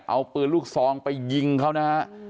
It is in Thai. เอาปืนลูกซองไปยิงเขานะฮะ